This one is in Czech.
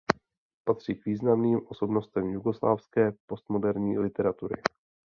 Patří k významným osobnostem jugoslávské postmoderní literatury.